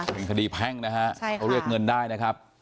เป็นคดีแพ่งนะฮะเขาเรียกเงินได้นะครับ